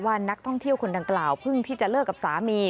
นักท่องเที่ยวคนดังกล่าวเพิ่งที่จะเลิกกับสามี